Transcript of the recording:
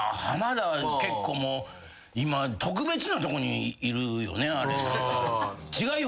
浜田は結構もう今特別なとこにいるよね。